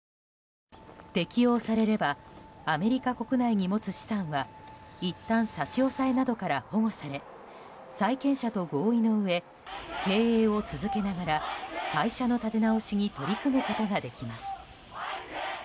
適用されればアメリカ国内に持つ資産はいったん差し押さえなどから保護され債権者と合意のうえ経営を続けながら会社の立て直しに取り組むことができます。